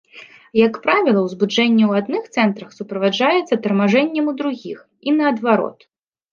Як правіла, узбуджэнне ў адных цэнтрах суправаджаецца тармажэннем у другіх, і наадварот.